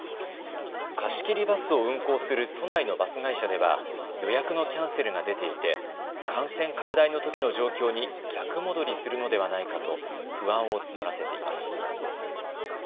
貸し切りバスを運行する都内のバス会社では予約のキャンセルが出ていて感染拡大のときの状況に逆戻りするのではないかと不安を募らせています。